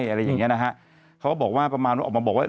อะไรอย่างเงี้นะฮะเขาบอกว่าประมาณว่าออกมาบอกว่า